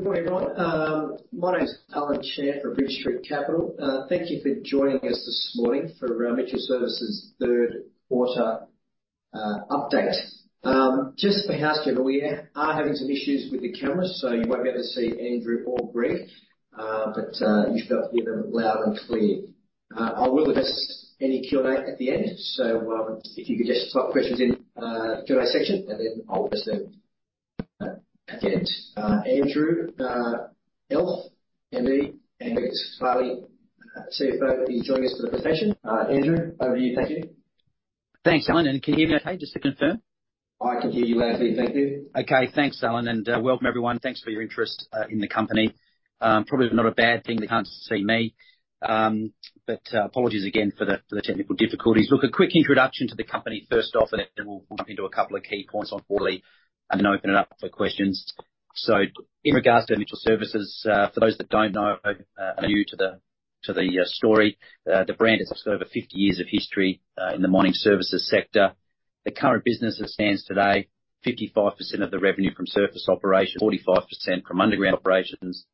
Yeah, good morning, everyone. My name is Allen Chan from Bridge Street Capital. Thank you for joining us this morning for our Mitchell Services third quarter update. Just for housekeeping, we are having some issues with the camera, so you won't be able to see Andrew or Greg. But you should be able to hear them loud and clear. I will address any Q&A at the end. So, if you could just pop questions in the Q&A section, and then I'll address them at the end. Andrew Elf, Andy, and Greg Switala, CFO, will be joining us for the presentation. Andrew, over to you. Thank you. Thanks, Allen, and can you hear me okay, just to confirm? I can hear you loudly, thank you. Okay, thanks, Allen, and welcome everyone. Thanks for your interest in the company. Probably not a bad thing that you can't see me. But apologies again for the technical difficulties. Look, a quick introduction to the company first off, and then we'll jump into a couple of key points on quarterly, and then open it up for questions. So in regards to Mitchell Services, for those that don't know, are new to the story, the brand has sort of over 50 years of history in the mining services sector. The current business as stands today, 55% of the revenue from surface operations, 45% from underground operations,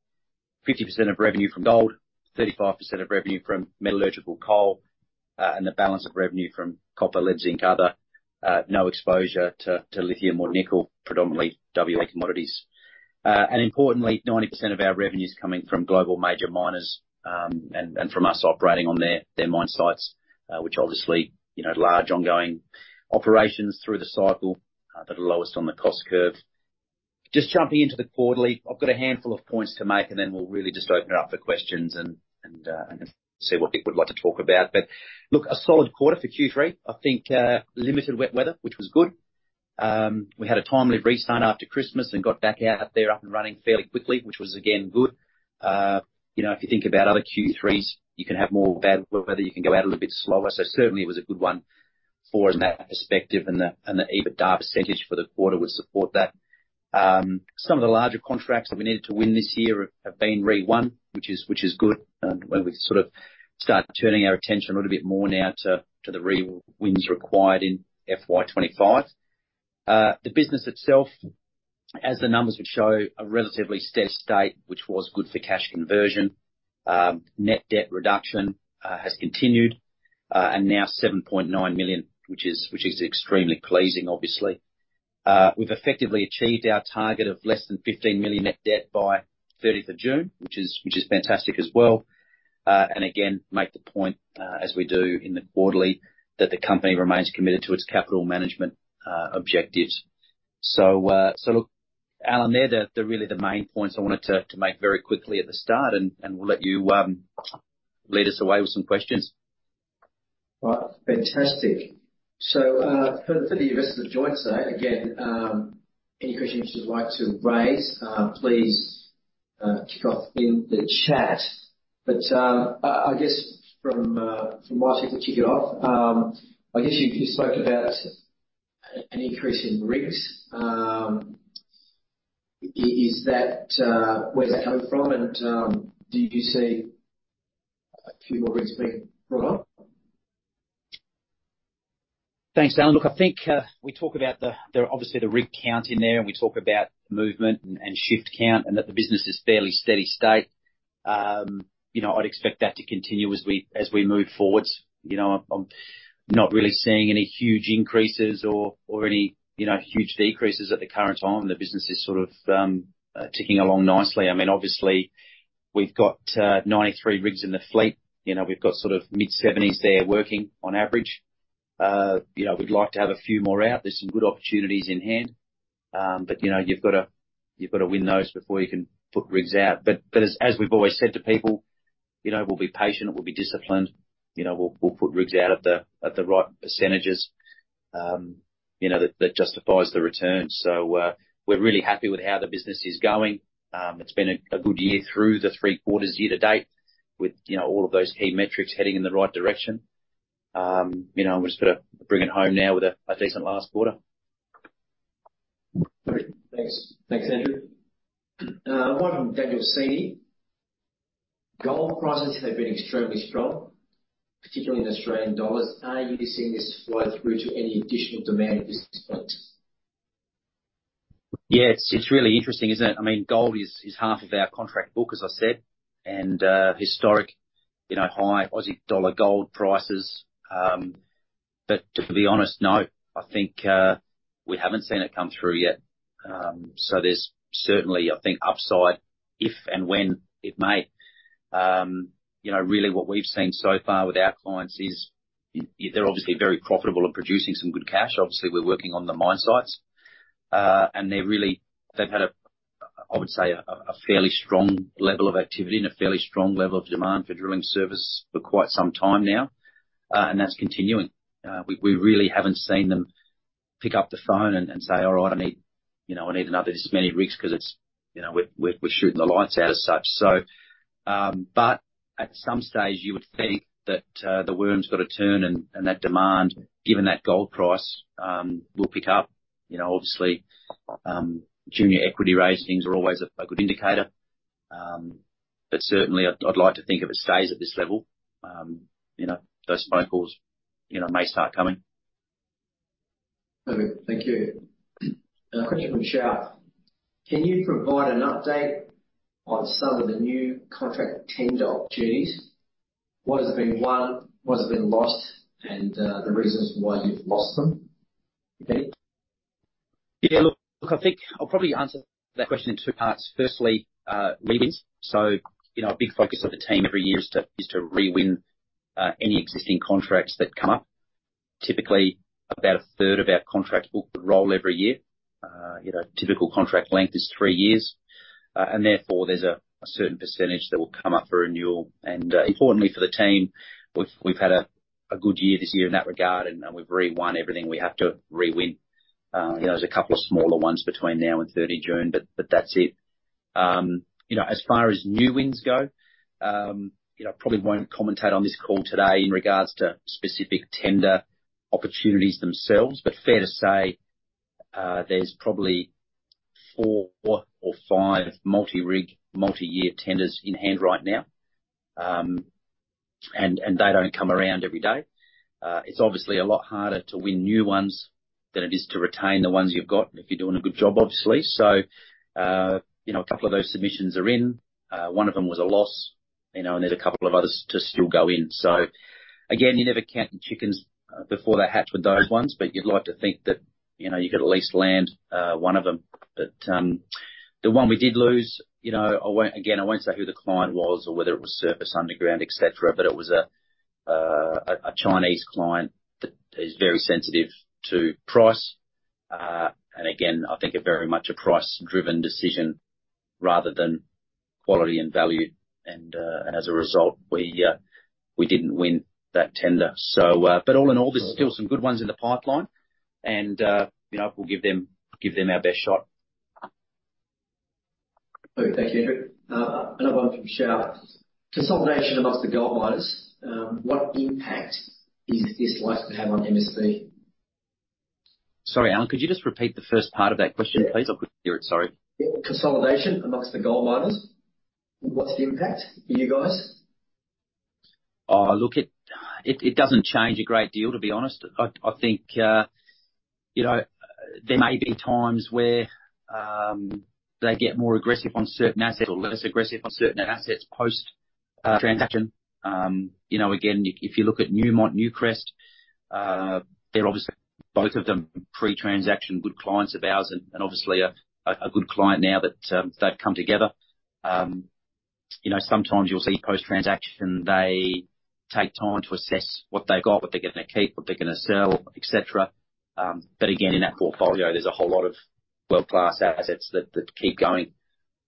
50% of revenue from gold, 35% of revenue from metallurgical coal, and the balance of revenue from copper, lead, zinc, other. No exposure to lithium or nickel, predominantly WA commodities. And importantly, 90% of our revenue is coming from global major miners, and from us operating on their mine sites, which obviously, you know, large ongoing operations through the cycle, but the lowest on the cost curve. Just jumping into the quarterly, I've got a handful of points to make, and then we'll really just open it up for questions and see what people would like to talk about. But look, a solid quarter for Q3. I think, limited wet weather, which was good. We had a timely restart after Christmas and got back out there up and running fairly quickly, which was again, good. You know, if you think about other Q3s, you can have more bad weather, you can go out a little bit slower. So certainly it was a good one for us in that perspective, and the, and the EBITDA percentage for the quarter would support that. Some of the larger contracts that we needed to win this year have, have been re-won, which is, which is good. And we sort of start turning our attention a little bit more now to, to the re-wins required in FY 2025. The business itself, as the numbers would show, a relatively steady state, which was good for cash conversion. Net debt reduction has continued, and now 7.9 million, which is, which is extremely pleasing, obviously. We've effectively achieved our target of less than 15 million net debt by 30th of June, which is fantastic as well. And again, make the point, as we do in the quarterly, that the company remains committed to its capital management objectives. So look, Alan, they're really the main points I wanted to make very quickly at the start, and we'll let you lead us away with some questions. Right. Fantastic. So, for the rest of the joins today, again, any questions you'd like to raise, please kick off in the chat. But, I guess from my side, to kick it off, I guess you spoke about an increase in rigs. Is that... Where is that coming from? And, do you see a few more rigs being brought on? Thanks, Allen. Look, I think we talk about the obvious rig count in there, and we talk about movement and shift count, and that the business is fairly steady state. You know, I'd expect that to continue as we move forward. You know, I'm not really seeing any huge increases or any huge decreases at the current time. The business is sort of ticking along nicely. I mean, obviously we've got 93 rigs in the fleet. You know, we've got sort of mid-70s there working on average. You know, we'd like to have a few more out. There's some good opportunities in hand, but you know, you've got to win those before you can put rigs out. But as we've always said to people, you know, we'll be patient, we'll be disciplined, you know, we'll put rigs out at the right percentages, you know, that justifies the return. So, we're really happy with how the business is going. It's been a good year through the three quarters year to date, with you know, all of those key metrics heading in the right direction. You know, we've just got to bring it home now with a decent last quarter. Thanks. Thanks, Andrew. One from Daniel Shea. Gold prices have been extremely strong, particularly in Australian dollars. Are you seeing this flow through to any additional demand at this point? Yeah, it's really interesting, isn't it? I mean, gold is half of our contract book, as I said, and historic, you know, high Aussie dollar gold prices. But to be honest, no, I think we haven't seen it come through yet. So there's certainly, I think, upside, if and when it may. You know, really what we've seen so far with our clients is, they're obviously very profitable at producing some good cash. Obviously, we're working on the mine sites. And they really. They've had a, I would say, a fairly strong level of activity and a fairly strong level of demand for drilling service for quite some time now, and that's continuing. We really haven't seen them pick up the phone and say: All right, I need, you know, I need another this many rigs, because it's, you know, we're shooting the lights out as such. So, but at some stage, you would think that the worm's got to turn, and that demand, given that gold price, will pick up. You know, obviously, junior equity raisings are always a good indicator. But certainly, I'd like to think if it stays at this level, you know, those phone calls, you know, may start coming. Okay, thank you. A question from Shah. Can you provide an update on some of the new contract tender opportunities? What has been won, what has been lost, and the reasons why you've lost them, Andy? Yeah, look, I think I'll probably answer that question in two parts. Firstly, re-wins. So, you know, a big focus of the team every year is to rewin any existing contracts that come up. Typically, about a third of our contract book rolls every year. You know, typical contract length is three years. And therefore, there's a certain percentage that will come up for renewal. And importantly for the team, we've had a good year this year in that regard, and we've re-won everything we have to rewin. You know, there's a couple of smaller ones between now and 30 June, but that's it. You know, as far as new wins go, you know, I probably won't commentate on this call today in regards to specific tender opportunities themselves, but fair to say, there's probably four or five multi-rig, multi-year tenders in hand right now. And they don't come around every day. It's obviously a lot harder to win new ones than it is to retain the ones you've got, if you're doing a good job, obviously. So, you know, a couple of those submissions are in, one of them was a loss, you know, and there's a couple of others to still go in. So again, you never count your chickens before they hatch with those ones, but you'd like to think that, you know, you could at least land one of them. But, the one we did lose, you know, I won't, again, I won't say who the client was or whether it was surface, underground, et cetera, but it was a Chinese client that is very sensitive to price. And again, I think a very much a price-driven decision rather than quality and value. And, as a result, we, we didn't win that tender. So, but all in all, there's still some good ones in the pipeline, and, you know, we'll give them, give them our best shot. Okay. Thank you, Andrew. Another one from Shah. Consolidation among the gold miners, what impact is this likely to have on MSP? Sorry, Alan, could you just repeat the first part of that question, please? Yeah. I couldn't hear it, sorry. Yeah. Consolidation among the gold miners, what's the impact for you guys? Oh, look, it doesn't change a great deal, to be honest. I think, you know, there may be times where they get more aggressive on certain assets or less aggressive on certain assets post transaction. You know, again, if you look at Newmont Newcrest, they're obviously, both of them, pre-transaction, good clients of ours and obviously a good client now that they've come together. You know, sometimes you'll see post-transaction, they take time to assess what they've got, what they're gonna keep, what they're gonna sell, et cetera. But again, in that portfolio, there's a whole lot of world-class assets that keep going,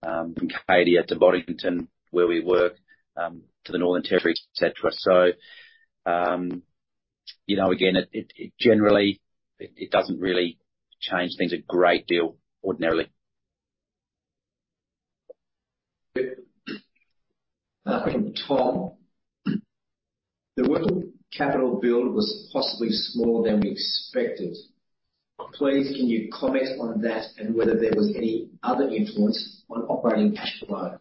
from Canada to Boddington, where we work, to the Northern Territory, et cetera. So, you know, again, it generally, it doesn't really change things a great deal ordinarily. From Tom. The working capital build was possibly smaller than we expected. Please, can you comment on that and whether there was any other influence on operating cash flow?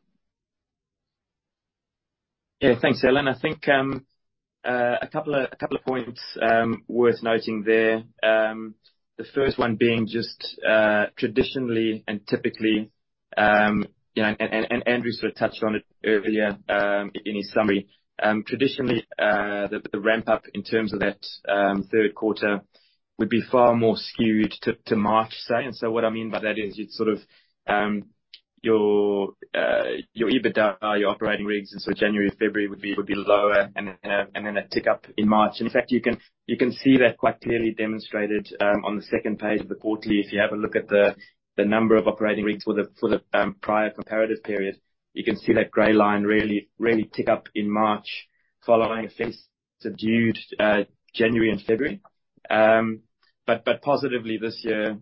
Yeah, thanks, Allen. I think a couple of points worth noting there. The first one being just traditionally and typically, you know, Andrew sort of touched on it earlier in his summary. Traditionally, the ramp up in terms of that third quarter would be far more skewed to March, say. And so what I mean by that is, you'd sort of your EBITDA, your operating rigs, and so January, February would be lower, and then a tick up in March. In fact, you can see that quite clearly demonstrated on the second page of the quarterly. If you have a look at the number of operating rigs for the prior comparative period, you can see that gray line really, really tick up in March following a fairly subdued January and February. But positively this year,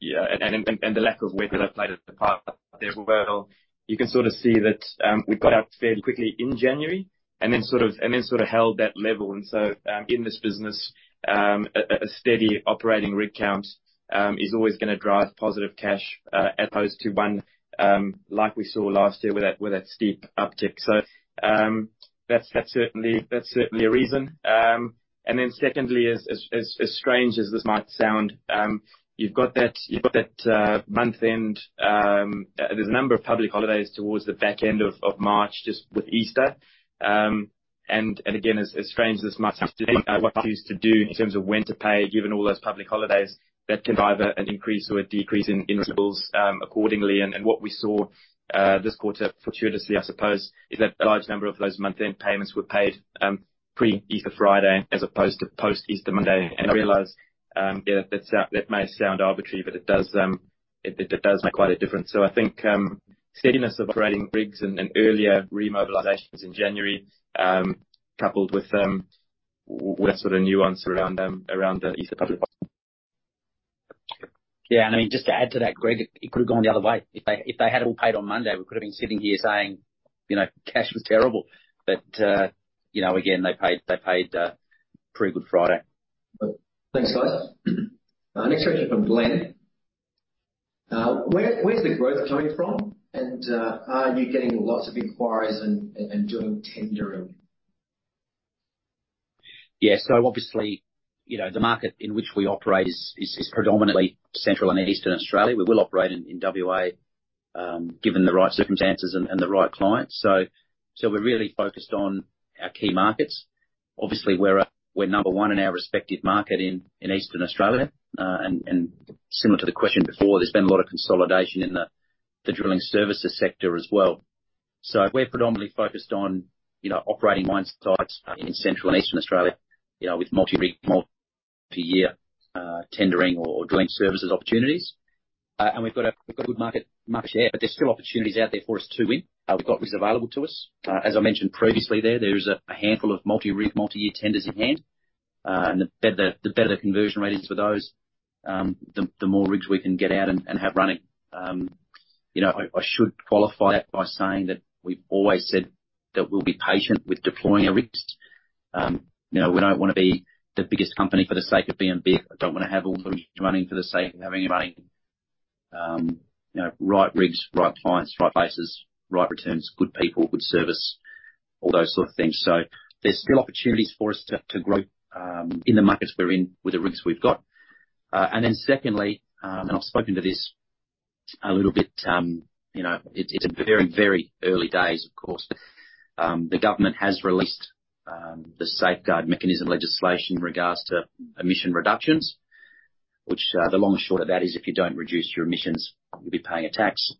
yeah, and the lack of weather that played a part there as well. You can sort of see that we got out fairly quickly in January, and then sort of held that level. And so in this business, a steady operating rig count is always gonna drive positive cash as opposed to one like we saw last year with that steep uptick. So that's certainly a reason. And then secondly, as strange as this might sound, you've got that month-end. There's a number of public holidays towards the back end of March, just with Easter. And again, as strange as this might seem, what to do in terms of when to pay, given all those public holidays, that can drive an increase or a decrease in bills accordingly. And what we saw this quarter, fortuitously I suppose, is that a large number of those month-end payments were paid pre-Easter Friday as opposed to post-Easter Monday. And I realize, yeah, that sounds, that may sound arbitrary, but it does make quite a difference. So I think, steadiness of operating rigs and earlier remobilizations in January, coupled with sort of nuance around the Easter public. Yeah, and I mean, just to add to that, Greg, it could have gone the other way. If they, if they had all paid on Monday, we could have been sitting here saying, "You know, cash was terrible." But, you know, again, they paid, they paid pre-Good Friday. Thanks, guys. Our next question from Glenn. Where's the growth coming from? And, are you getting lots of inquiries and doing tendering? Yeah. So obviously, you know, the market in which we operate is predominantly Central and Eastern Australia. We will operate in WA given the right circumstances and the right clients. So we're really focused on our key markets. Obviously, we're number one in our respective market in Eastern Australia. And similar to the question before, there's been a lot of consolidation in the drilling services sector as well. So we're predominantly focused on, you know, operating mine sites in Central and Eastern Australia, you know, with multi-rig, multi-year tendering or drilling services opportunities. And we've got a, we've got good market share, but there's still opportunities out there for us to win. We've got rigs available to us. As I mentioned previously, there is a handful of multi-rig, multi-year tenders in hand. And the better the conversion rate is for those, the more rigs we can get out and have running. You know, I should qualify that by saying that we've always said that we'll be patient with deploying our rigs. You know, we don't wanna be the biggest company for the sake of being big. I don't wanna have all the rigs running for the sake of having it running. You know, right rigs, right clients, right bases, right returns, good people, good service, all those sort of things. So there's still opportunities for us to grow in the markets we're in with the rigs we've got. And then secondly, and I've spoken to this a little bit, you know, it's very, very early days, of course. The government has released the Safeguard Mechanism legislation in regards to emission reductions, which the long and short of that is, if you don't reduce your emissions, you'll be paying a tax.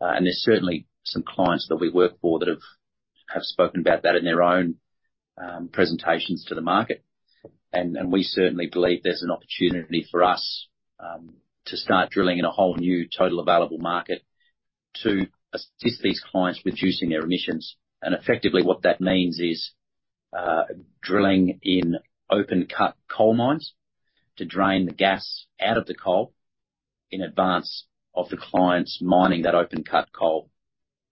And there's certainly some clients that we work for that have spoken about that in their own presentations to the market. And we certainly believe there's an opportunity for us to start drilling in a whole new total available market to assist these clients reducing their emissions. And effectively, what that means is drilling in open cut coal mines to drain the gas out of the coal in advance of the clients mining that open cut coal.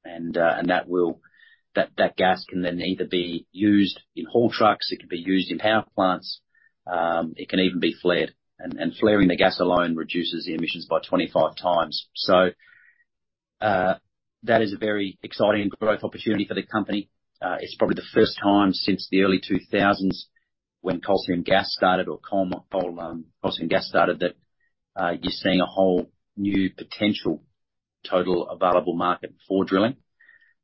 And that gas can then either be used in haul trucks, it can be used in power plants, it can even be flared. Flaring the gas alone reduces the emissions by 25 times. So, that is a very exciting growth opportunity for the company. It's probably the first time since the early 2000s, when coal seam gas started or coal mine- coal, coal seam gas started, that you're seeing a whole new potential total available market for drilling.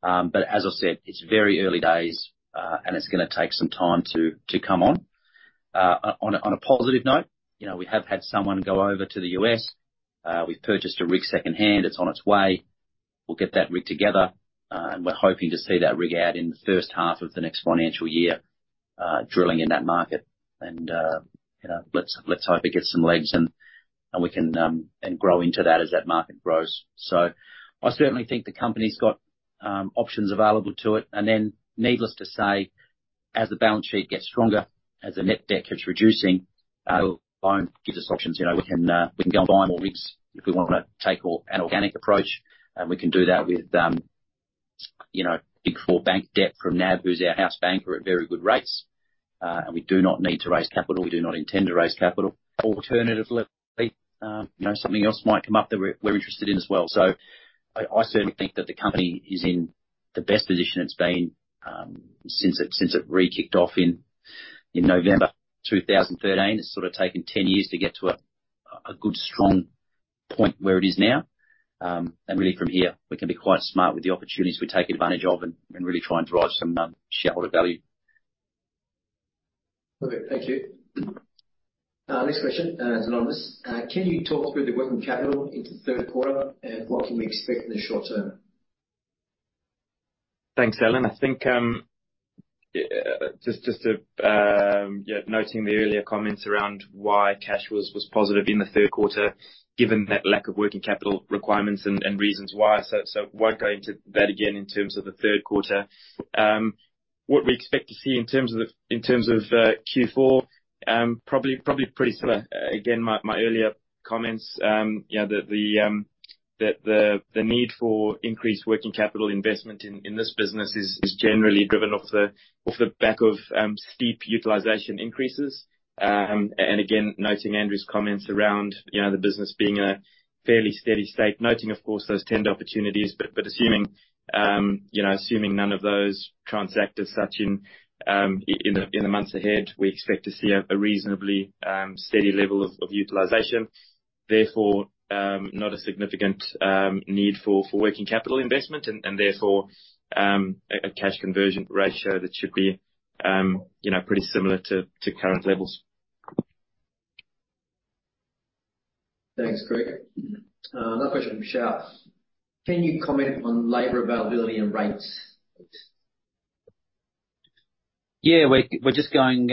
But as I said, it's very early days, and it's gonna take some time to come on. On a positive note, you know, we have had someone go over to the U.S. We've purchased a rig secondhand, it's on its way. We'll get that rig together, and we're hoping to see that rig out in the first half of the next financial year, drilling in that market. And, you know, let's hope it gets some legs and we can grow into that as that market grows. So I certainly think the company's got options available to it. And then, needless to say, as the balance sheet gets stronger, as the net debt keeps reducing, loan gives us options. You know, we can go and buy more rigs if we want to take an organic approach, and we can do that with, you know, before bank debt from NAB, who's our house banker, at very good rates. And we do not need to raise capital. We do not intend to raise capital. Alternatively, you know, something else might come up that we're interested in as well. I certainly think that the company is in the best position it's been since it re-kicked off in November 2013. It's sort of taken 10 years to get to a good, strong point where it is now. And really from here, we can be quite smart with the opportunities we take advantage of and really try and drive some shareholder value. Okay, thank you. Next question is anonymous. Can you talk through the working capital into the third quarter, and what can we expect in the short term? Thanks, Allen. I think, just to, yeah, noting the earlier comments around why cash was positive in the third quarter, given that lack of working capital requirements and reasons why, so won't go into that again in terms of the third quarter. What we expect to see in terms of the, in terms of, Q4, probably pretty similar. Again, my earlier comments, you know, the need for increased working capital investment in this business is generally driven off the back of steep utilization increases. And again, noting Andrew's comments around, you know, the business being a fairly steady state, noting, of course, those tender opportunities. But assuming, you know, assuming none of those transact as such in the months ahead, we expect to see a reasonably steady level of utilization. Therefore, not a significant need for working capital investment, and therefore, a cash conversion ratio that should be, you know, pretty similar to current levels. Thanks, Greg. Another question from Shah. Can you comment on labor availability and rates? Yeah, we're just going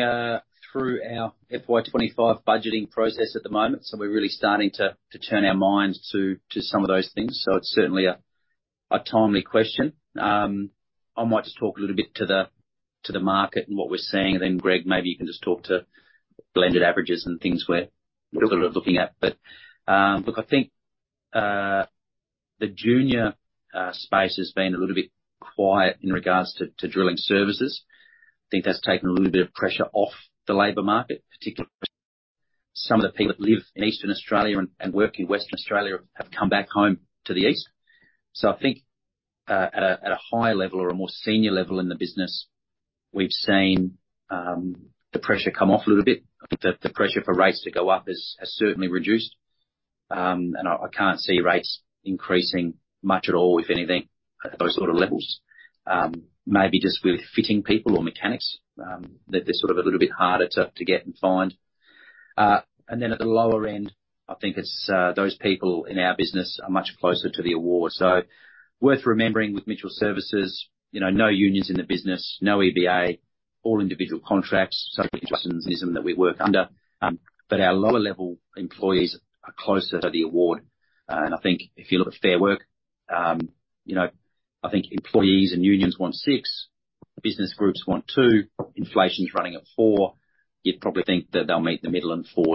through our FY 2025 budgeting process at the moment, so we're really starting to turn our minds to some of those things. So it's certainly a timely question. I might just talk a little bit to the market and what we're seeing, and then, Greg, maybe you can just talk to blended averages and things we're sort of looking at. But, look, I think the junior space has been a little bit quiet in regards to drilling services. I think that's taken a little bit of pressure off the labor market, particularly some of the people that live in Eastern Australia and work in Western Australia have come back home to the east. So I think at a higher level or a more senior level in the business, we've seen the pressure come off a little bit. I think the pressure for rates to go up has certainly reduced. And I can't see rates increasing much at all, if anything, at those sort of levels. Maybe just with fitting people or mechanics that they're sort of a little bit harder to get and find. And then at the lower end, I think it's those people in our business are much closer to the award. So worth remembering with Mitchell Services, you know, no unions in the business, no EBA, all individual contracts, so that we work under. But our lower level employees are closer to the award. I think if you look at Fair Work, you know, I think employees and unions want 6%, business groups want 2%, inflation's running at 4%. You'd probably think that they'll meet in the middle and 4%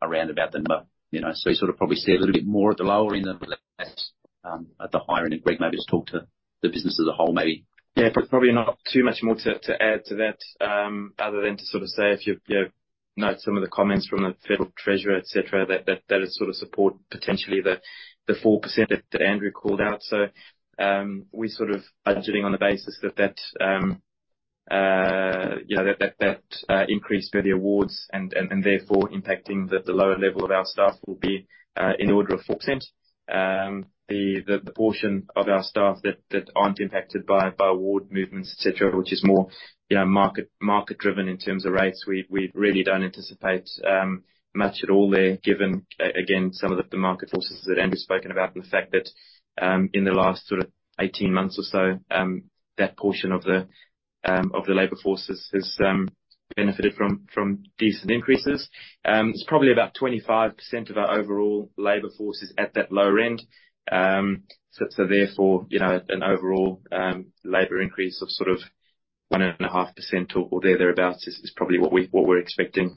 around about the number, you know? So you sort of probably see a little bit more at the lower end than at the higher end. And Greg, maybe just talk to the business as a whole, maybe. Yeah, probably not too much more to add to that, other than to sort of say, if you, you know, note some of the comments from the Federal Treasurer, et cetera, that that is sort of support potentially the 4% that Andrew called out. So, we're sort of budgeting on the basis that, you know, that increase for the awards and therefore impacting the lower level of our staff will be in the order of 4%. The portion of our staff that aren't impacted by award movements, et cetera, which is more, you know, market-driven in terms of rates, we really don't anticipate much at all there, given, again, some of the market forces that Andrew's spoken about, and the fact that, in the last sort of 18 months or so, that portion of the labor force has benefited from decent increases. It's probably about 25% of our overall labor force is at that lower end. So, therefore, you know, an overall labor increase of sort of 1.5% or thereabout is probably what we're expecting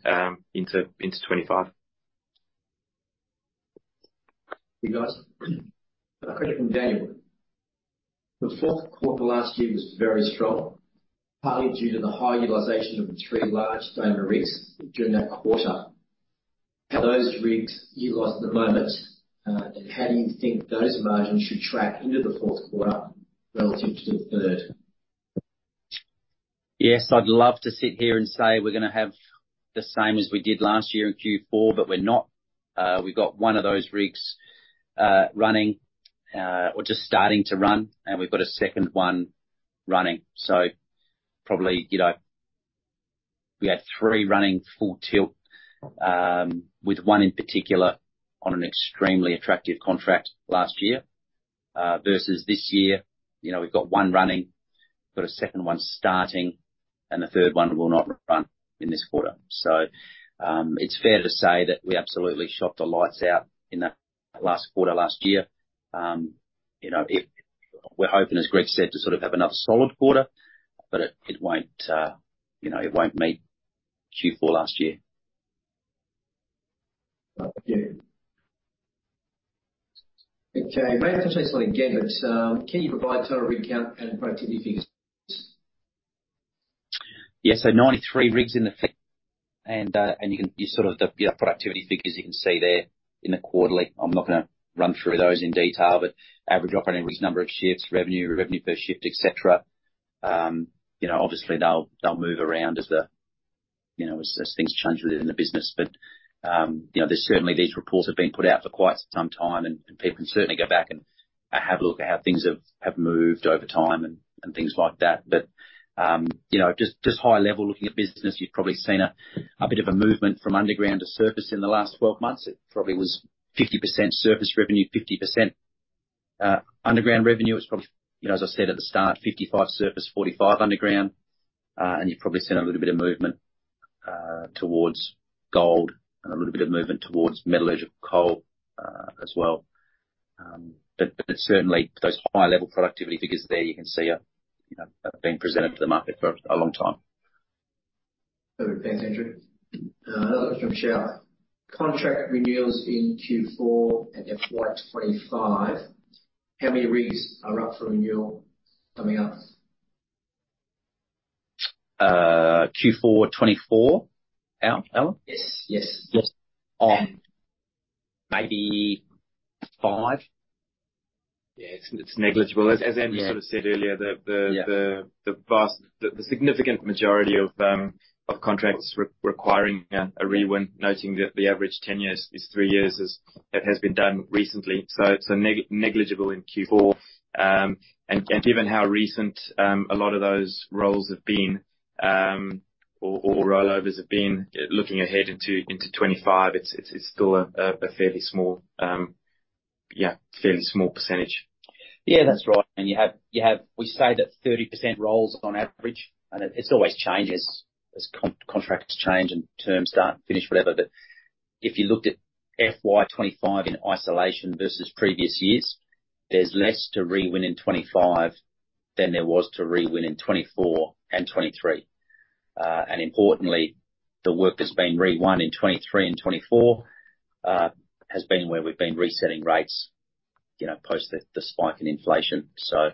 into 2025. Thanks, guys. A question from Daniel. The fourth quarter last year was very strong, partly due to the high utilization of the three large diamond rigs during that quarter. How are those rigs utilized at the moment? And how do you think those margins should track into the fourth quarter relative to the third? Yes, I'd love to sit here and say we're gonna have the same as we did last year in Q4, but we're not. We've got one of those rigs, running, or just starting to run, and we've got a second one running. So probably, you know, we had three running full tilt, with one in particular on an extremely attractive contract last year. Versus this year, you know, we've got one running, got a second one starting, and the third one will not run in this quarter. So, it's fair to say that we absolutely shot the lights out in that last quarter, last year. You know, we're hoping, as Greg said, to sort of have another solid quarter, but it, it won't, you know, it won't meet Q4 last year. Thank you. Okay, maybe I can say something again, but, can you provide total rig count and productivity figures? Yeah. So 93 rigs in the... And you can sort of see the productivity figures you can see there in the quarterly. I'm not gonna run through those in detail, but average operating rigs, number of shifts, revenue, revenue per shift, et cetera. You know, obviously, they'll move around as, you know, as things change within the business. But you know, there's certainly these reports have been put out for quite some time, and people can certainly go back and have a look at how things have moved over time and things like that. But you know, just high level, looking at business, you've probably seen a bit of a movement from underground to surface in the last 12 months. It probably was 50% surface revenue, 50% underground revenue. It's probably, you know, as I said at the start, 55 surface, 45 underground. And you've probably seen a little bit of movement towards gold and a little bit of movement towards metallurgical coal, as well. But certainly those high-level productivity figures there you can see are, you know, have been presented to the market for a long time. Thanks, Andrew. Another question from Sharon. Contract renewals in Q4 and FY 2025, how many rigs are up for renewal coming up? Q4 2024, Allen? Yes. Yes. Yes. Maybe five. Yeah, it's negligible. As Andrew sort of said earlier, the- Yeah... the vast majority of contracts requiring a re-win, noting that the average tenure is three years, as that has been done recently. So it's negligible in Q4. And given how recent a lot of those rollovers have been, looking ahead into 2025, it's still a fairly small percentage. Yeah, that's right. We say that 30% rolls on average, and it always changes as contracts change and terms start and finish, whatever. But if you looked at FY 2025 in isolation versus previous years, there's less to re-win in 2025 than there was to re-win in 2024 and 2023. And importantly, the work that's been re-won in 2023 and 2024 has been where we've been resetting rates, you know, post the spike in inflation. So,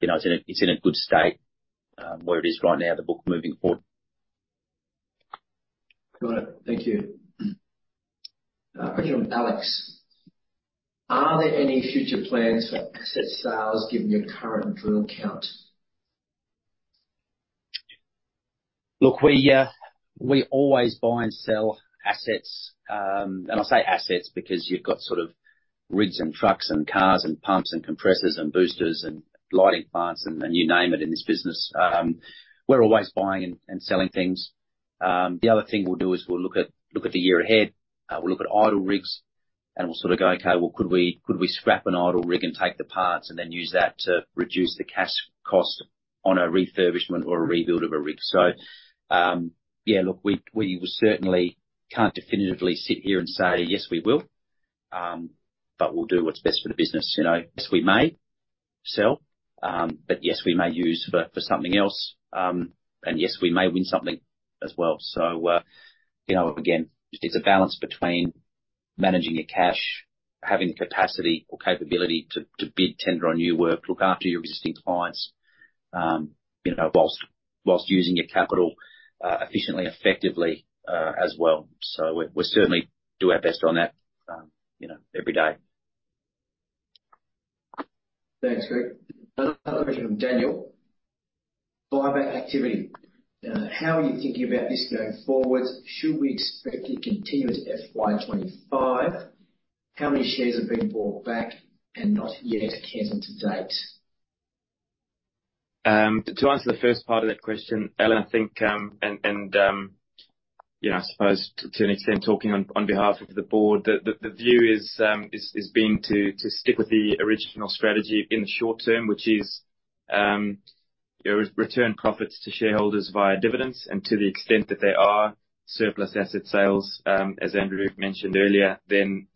you know, it's in a good state where it is right now, the book moving forward. Got it. Thank you. A question from Alex: Are there any future plans for asset sales, given your current drill count? Look, we, we always buy and sell assets. And I say assets because you've got sort of rigs and trucks and cars and pumps and compressors and boosters and lighting plants and, and you name it, in this business. We're always buying and selling things. The other thing we'll do is we'll look at the year ahead. We'll look at idle rigs, and we'll sort of go, "Okay, well, could we scrap an idle rig and take the parts, and then use that to reduce the cash cost on a refurbishment or a rebuild of a rig?" So, yeah, look, we certainly can't definitively sit here and say, "Yes, we will." But we'll do what's best for the business, you know? Yes, we may sell, but yes, we may use for something else. And yes, we may win something as well. So, you know, again, it's a balance between managing your cash, having the capacity or capability to, to bid tender on new work, look after your existing clients, you know, whilst, whilst using your capital, efficiently, effectively, as well. So we, we certainly do our best on that, you know, every day. Thanks, Greg. Another question from Daniel: Buyback activity. How are you thinking about this going forward? Should we expect it to continue into FY 2025? How many shares have been bought back and not yet canceled to date? To answer the first part of that question, Allen, I think, and, you know, I suppose to an extent, talking on behalf of the board, the view is to stick with the original strategy in the short term, which is, you know, return profits to shareholders via dividends. And to the extent that there are surplus asset sales, as Andrew mentioned earlier, then,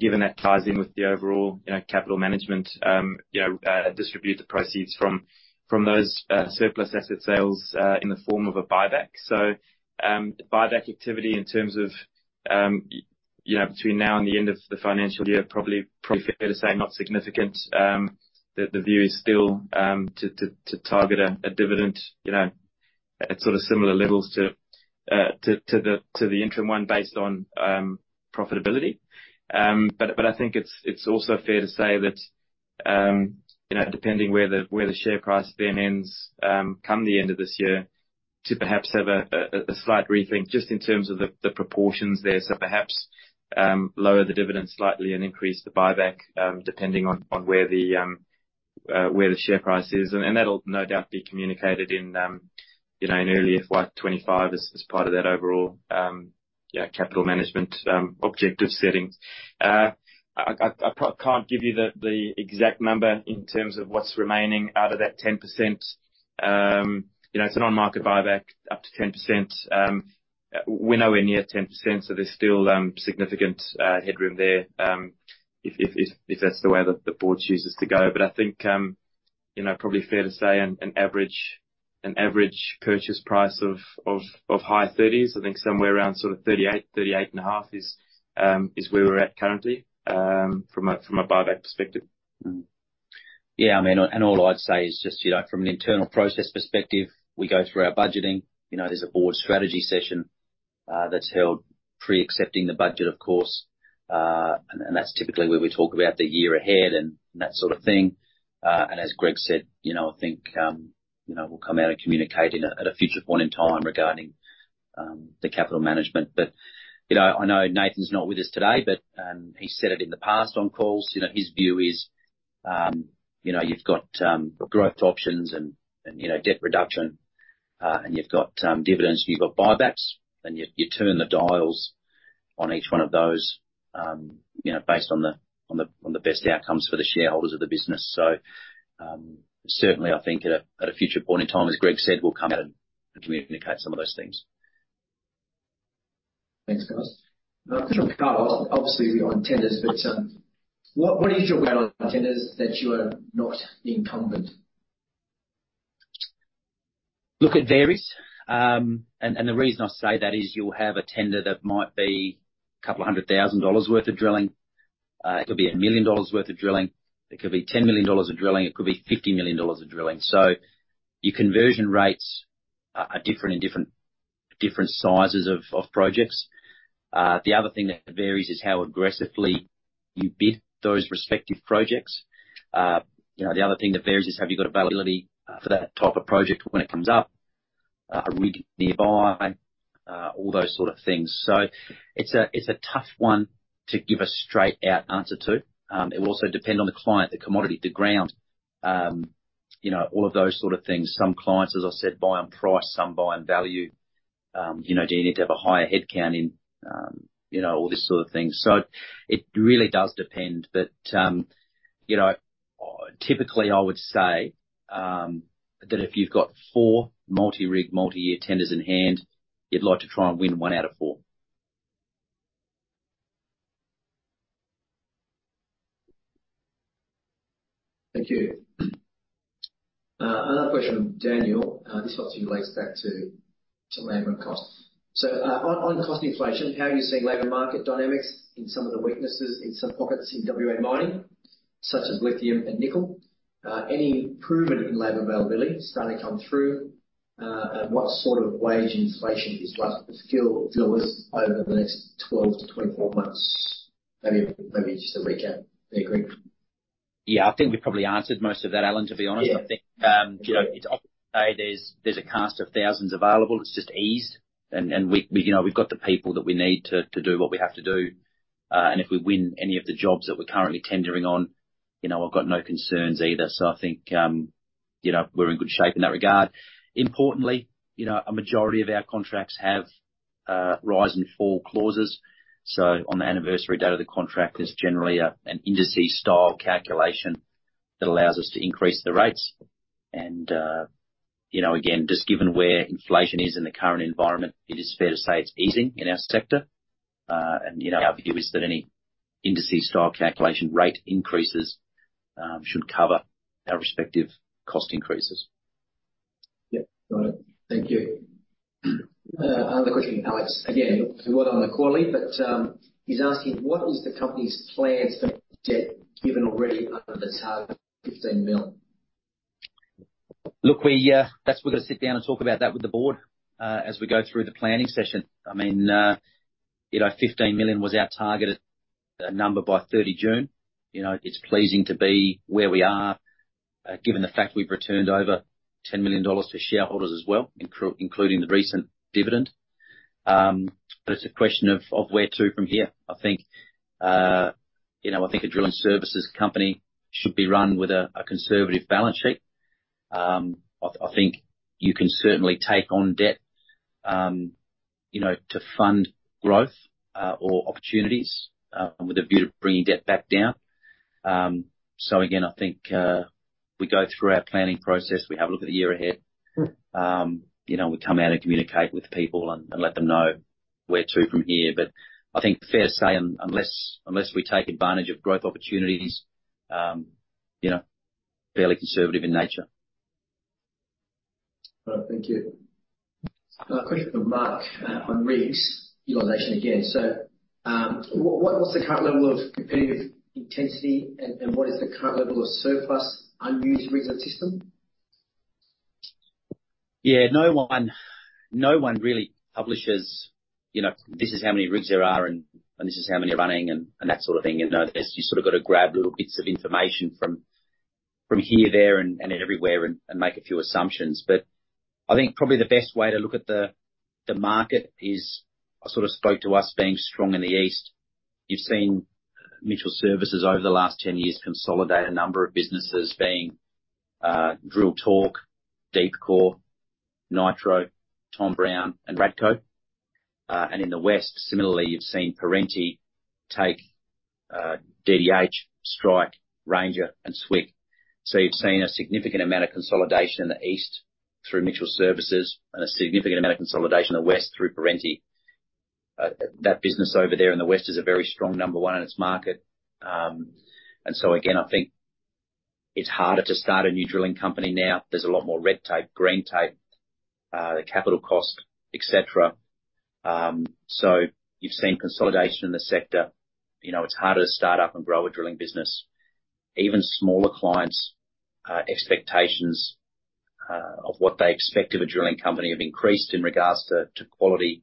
given that ties in with the overall, you know, capital management, you know, distribute the proceeds from those surplus asset sales in the form of a buyback. So, the buyback activity in terms of, you know, between now and the end of the financial year, probably fair to say, not significant. The view is still to target a dividend, you know, at sort of similar levels to the interim one based on profitability. But I think it's also fair to say that, you know, depending where the share price then ends, come the end of this year, to perhaps have a slight rethink just in terms of the proportions there. So perhaps lower the dividend slightly and increase the buyback, depending on where the share price is. And that'll no doubt be communicated in, you know, in early FY 2025 as part of that overall, you know, capital management objective setting. I can't give you the exact number in terms of what's remaining out of that 10%. You know, it's an on-market buyback, up to 10%. We're nowhere near 10%, so there's still significant headroom there, if that's the way that the board chooses to go. But I think, you know, probably fair to say an average purchase price of high 30s. I think somewhere around sort of 38-38.5 is where we're at currently, from a buyback perspective. Yeah, I mean, and all I'd say is just, you know, from an internal process perspective, we go through our budgeting. You know, there's a board strategy session that's held pre-accepting the budget, of course. And that's typically where we talk about the year ahead and that sort of thing. And as Greg said, you know, I think, you know, we'll come out and communicate at a future point in time regarding the capital management. But, you know, I know Nathan's not with us today, but, he said it in the past on calls, you know, his view is, you know, you've got, growth options and, and, you know, debt reduction, and you've got, dividends, and you've got buybacks, and you, you turn the dials on each one of those, you know, based on the, on the, on the best outcomes for the shareholders of the business. So, certainly, I think at a, at a future point in time, as Greg said, we'll come out and, and communicate some of those things. Thanks, guys. Now, a question on Carl. Obviously, we are on tenders, but, what, what is your rate on tenders that you are not incumbent? Look, it varies. The reason I say that is you'll have a tender that might be 200,000 dollars worth of drilling. It could be 1 million dollars worth of drilling. It could be 10 million dollars of drilling. It could be 50 million dollars of drilling. So your conversion rates are different in different sizes of projects. The other thing that varies is how aggressively you bid those respective projects. You know, the other thing that varies is have you got availability for that type of project when it comes up, a rig nearby, all those sort of things. So it's a tough one to give a straight-out answer to. It will also depend on the client, the commodity, the ground, you know, all of those sort of things. Some clients, as I said, buy on price, some buy on value. You know, do you need to have a higher headcount in, you know, all this sort of things. So it really does depend. But, you know, typically, I would say, that if you've got four multi-rig, multi-year tenders in hand, you'd like to try and win one out of four. Thank you. Another question from Daniel. This obviously relates back to labor and cost. So, on cost inflation, how are you seeing labor market dynamics in some of the weaknesses in some pockets in WA mining, such as lithium and nickel? Any improvement in labor availability starting to come through? And what sort of wage inflation is likely to fuel this over the next 12-24 months? Maybe just a recap. Do you agree? Yeah, I think we probably answered most of that, Alan, to be honest. Yeah. I think, you know, it's obvious to say there's a cast of thousands available. It's just eased, and we, you know, we've got the people that we need to do what we have to do. And if we win any of the jobs that we're currently tendering on, you know, I've got no concerns either. So I think, you know, we're in good shape in that regard. Importantly, you know, a majority of our contracts have rise and fall clauses. So on the anniversary date of the contract, there's generally an industry style calculation that allows us to increase the rates. And, you know, again, just given where inflation is in the current environment, it is fair to say it's easing in our sector. You know, our view is that any industry style calculation rate increases should cover our respective cost increases. Yeah. Got it. Thank you. Another question from Alex, again, we went on the quarterly, but, he's asking: What is the company's plans for debt, given already under the target 15 million? Look, we... That's we're gonna sit down and talk about that with the board, as we go through the planning session. I mean, you know, 15 million was our targeted number by 30 June. You know, it's pleasing to be where we are, given the fact we've returned over 10 million dollars to shareholders as well, including the recent dividend. But it's a question of where to from here. I think, you know, I think a drilling services company should be run with a conservative balance sheet. I think you can certainly take on debt, you know, to fund growth, or opportunities, with a view to bringing debt back down. So again, I think, we go through our planning process, we have a look at the year ahead. You know, we come out and communicate with people and let them know where to from here. But I think fair to say, unless we take advantage of growth opportunities, you know, fairly conservative in nature. All right. Thank you. A question from Mark on rigs utilization again. So, what's the current level of competitive intensity, and what is the current level of surplus unused rigs in the system? Yeah. No one, no one really publishes, you know, this is how many rigs there are, and, and this is how many are running and, and that sort of thing. You know, there's, you sort of got to grab little bits of information from, from here, there, and, and everywhere and, and make a few assumptions. But I think probably the best way to look at the, the market is, I sort of spoke to us being strong in the east. You've seen Mitchell Services over the last 10 years consolidate a number of businesses being Drill Torque, Deepcore, Nitro, Tom Browne and Radco. And in the west, similarly, you've seen Perenti take DDH, Strike, Ranger and Swick. So you've seen a significant amount of consolidation in the east through Mitchell Services and a significant amount of consolidation in the west through Perenti. That business over there in the west is a very strong number one in its market. And so again, I think it's harder to start a new drilling company now. There's a lot more red tape, green tape, the capital cost, et cetera. So you've seen consolidation in the sector. You know, it's harder to start up and grow a drilling business. Even smaller clients' expectations of what they expect of a drilling company have increased in regards to quality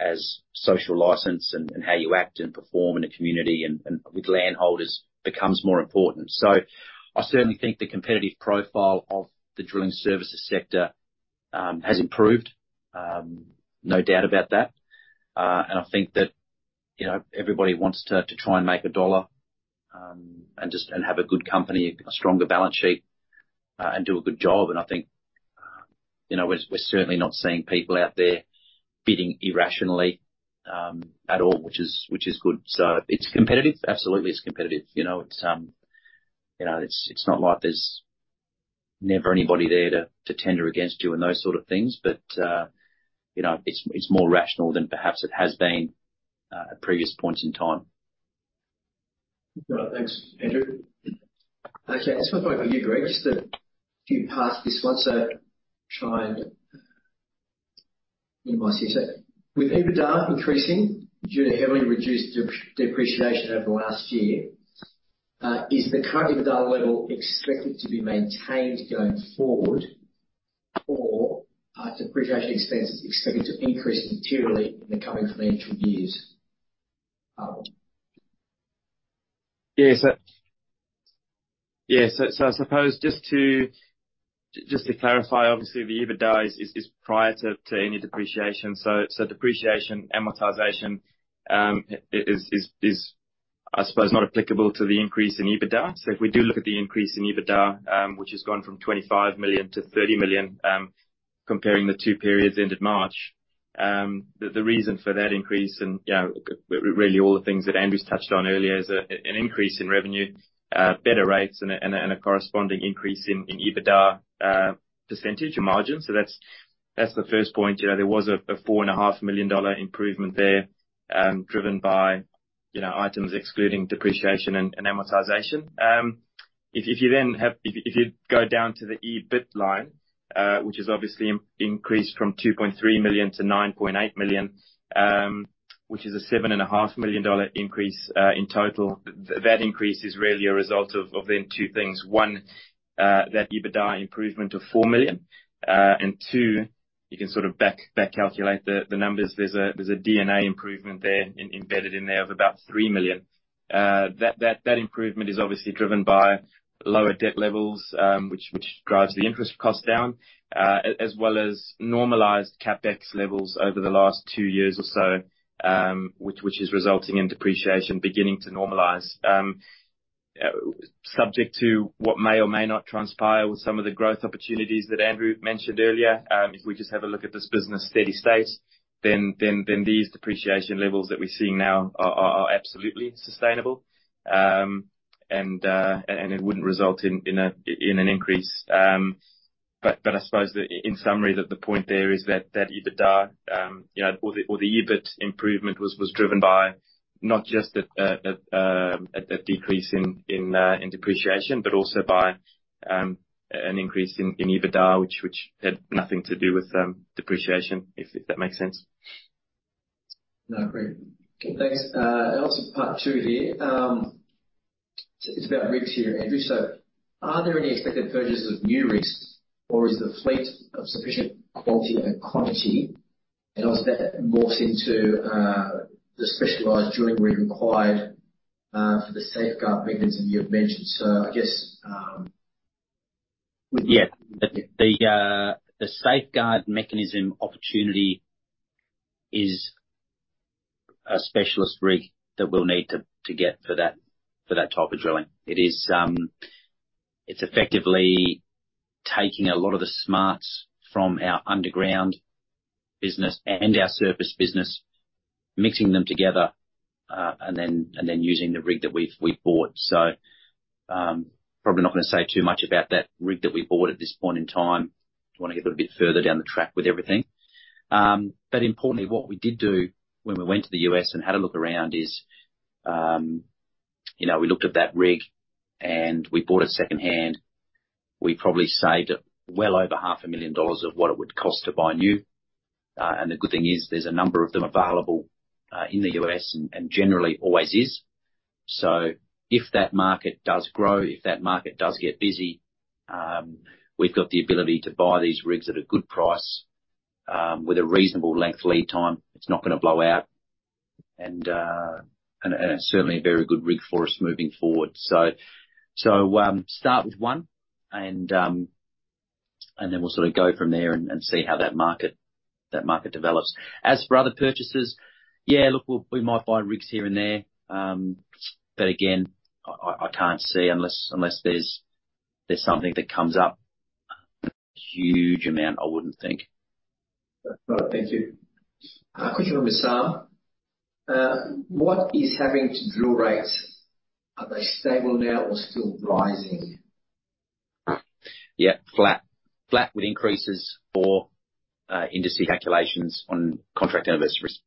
as social license, and how you act and perform in a community and with landholders becomes more important. So I certainly think the competitive profile of the drilling services sector has improved. No doubt about that. And I think that, you know, everybody wants to try and make a dollar, and have a good company, a stronger balance sheet, and do a good job. And I think, you know, we're certainly not seeing people out there bidding irrationally at all. Which is good. So it's competitive? Absolutely, it's competitive. You know, it's not like there's never anybody there to tender against you and those sort of things, but, you know, it's more rational than perhaps it has been at previous points in time. Right. Thanks, Andrew. Okay, this one for you, Greg, just a few parts to this one, so try and minimize here. So with EBITDA increasing due to heavily reduced depreciation over last year, is the current EBITDA level expected to be maintained going forward? Or are depreciation expenses expected to increase materially in the coming financial years? Yeah. So, I suppose just to clarify, obviously the EBITDA is prior to any depreciation. So depreciation, amortization, is, I suppose, not applicable to the increase in EBITDA. So if we do look at the increase in EBITDA, which has gone from 25 million to 30 million, comparing the two periods ended March, the reason for that increase and, you know, really all the things that Andrew's touched on earlier, is an increase in revenue, better rates and a corresponding increase in EBITDA percentage and margin. So that's the first point. You know, there was a 4.5 million dollar improvement there, driven by, you know, items excluding depreciation and amortization. If you go down to the EBIT line, which is obviously increased from 2.3 million to 9.8 million, which is an 7.5 million-dollar increase, in total. That increase is really a result of two things. One, that EBITDA improvement of 4 million. And two, you can sort of back calculate the numbers. There's a D&A improvement there, embedded in there of about 3 million. That improvement is obviously driven by lower debt levels, which drives the interest cost down, as well as normalized CapEx levels over the last two years or so, which is resulting in depreciation beginning to normalize. Subject to what may or may not transpire with some of the growth opportunities that Andrew mentioned earlier, if we just have a look at this business steady state, then these depreciation levels that we're seeing now are absolutely sustainable. And it wouldn't result in an increase. But I suppose the... In summary, that the point there is that EBITDA, you know, or the EBIT improvement was driven by not just a decrease in depreciation, but also by an increase in EBITDA, which had nothing to do with depreciation, if that makes sense. No, great. Okay, thanks. I also have part two here. It's about rigs here, Andrew. So are there any expected purchases of new rigs, or is the fleet of sufficient quality and quantity? And also that morphs into, the specialized drilling rig required, for the Safeguard Mechanism you've mentioned. So I guess, Yeah. The safeguard mechanism opportunity is a specialist rig that we'll need to get for that type of drilling. It is, it's effectively taking a lot of the smarts from our underground business and our surface business, mixing them together, and then using the rig that we've bought. So, probably not gonna say too much about that rig that we bought at this point in time, want to get a bit further down the track with everything. But importantly, what we did do when we went to the U.S. and had a look around is, you know, we looked at that rig, and we bought it secondhand. We probably saved well over $500,000 of what it would cost to buy new. And the good thing is, there's a number of them available in the U.S., and generally always is. So if that market does grow, if that market does get busy, we've got the ability to buy these rigs at a good price, with a reasonable length lead time. It's not gonna blow out, and certainly a very good rig for us moving forward. So start with one, and then we'll sort of go from there and see how that market develops. As for other purchases, yeah, look, we might buy rigs here and there, but again, I can't see, unless there's something that comes up, a huge amount, I wouldn't think. Thank you. Quick one for Sam. What is happening to drill rates? Are they stable now or still rising? Yeah, flat. Flat, with increases for industry calculations on contract anniversaries.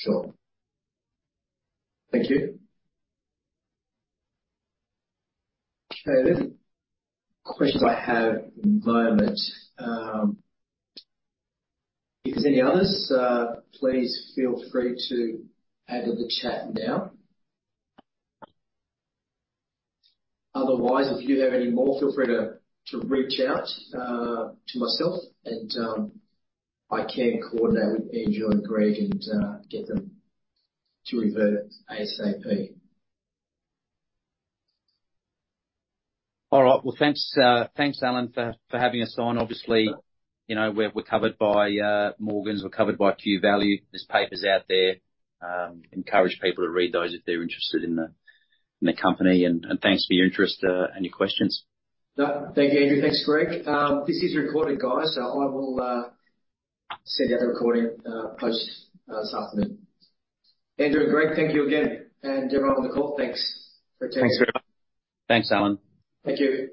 Sure. Thank you. Okay, that's all the questions I have at the moment. If there's any others, please feel free to add to the chat now. Otherwise, if you have any more, feel free to reach out to myself, and I can coordinate with Andrew and Greg and get them to revert ASAP. All right. Well, thanks, thanks, Allen, for, for having us on. Obviously, you know, we're, we're covered by Morgans, we're covered by Q Value. There's papers out there, encourage people to read those if they're interested in the, in the company. And thanks for your interest, and your questions. No, thank you, Andrew. Thanks, Greg. This is recorded, guys, so I will send out the recording post this afternoon. Andrew and Greg, thank you again, and everyone on the call, thanks for attending. Thanks very much. Thanks, Allen. Thank you.